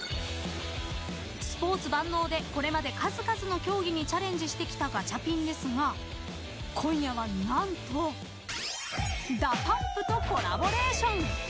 スポーツ万能でこれまで数々の競技にチャレンジしてきたガチャピンですが今夜は何とＤＡＰＵＭＰとコラボレーション。